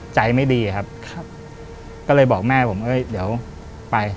ใจไม่ดีครับครับก็เลยบอกแม่ผมเอ้ยเดี๋ยวไป